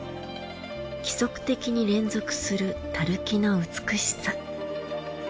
規則的に連続する垂木の美しさ。